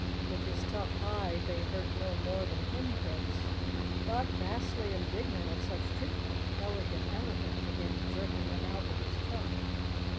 With his tough hide, they hurt no more than pin pricks, but vastly indignant at such treatment, the Elegant Elephant began jerking them out with his trunk.